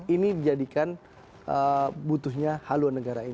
ini dijadikan butuhnya haluan negara ini